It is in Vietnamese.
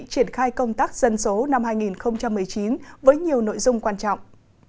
triển khai công tác dân số năm hai nghìn một mươi chín với nhiều nội dung quan trọng